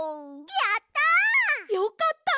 やった！